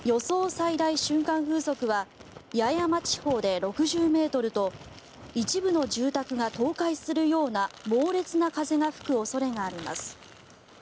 最大瞬間風速は八重山地方で６０ｍと一部の住宅が倒壊するような猛烈な風が吹く恐れがあります。